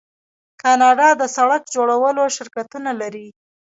کاناډا د سړک جوړولو شرکتونه لري.